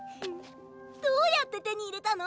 どうやって手に入れたの？